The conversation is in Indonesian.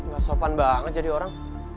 gak sopan banget jadi orang